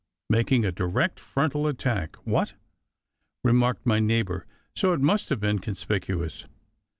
Making a direct frontal attack what?" remarked my neighbour, so it must have been conspicuous.